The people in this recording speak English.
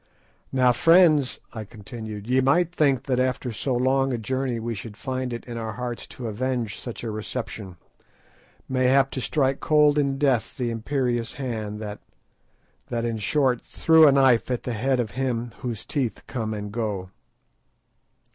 "Now friends," I continued, "ye might think that after so long a journey we should find it in our hearts to avenge such a reception, mayhap to strike cold in death the imperious hand that—that, in short—threw a knife at the head of him whose teeth come and go."